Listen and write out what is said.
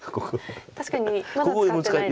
確かにまだ使ってないです。